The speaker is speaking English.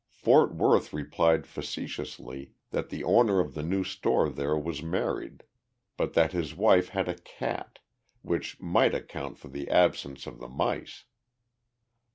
Fort Worth replied facetiously that the owner of the new store there was married, but that his wife had a cat which might account for the absence of the mice.